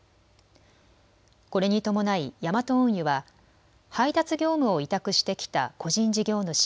これに伴いヤマト運輸は配達業務を委託してきた個人事業主